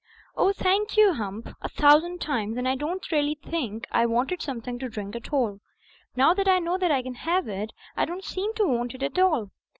"Oh thank ye. Hump, a thousand times; and I don't think I really want something to drink at arl. Now I know I can have it, I don't seem to want it at arl.